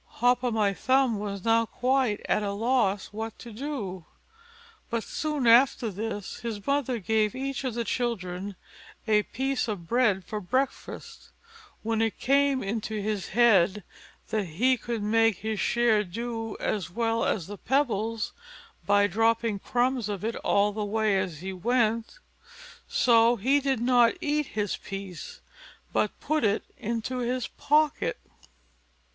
Hop o' my thumb was now quite at a loss what to do; but soon after this, his mother gave each of the children a piece of bread for breakfast, and then it came into his head that he could make his share do as well as the pebbles, by dropping crumbs of it all the way as he went. So he did not eat his piece, but put it into his pocket.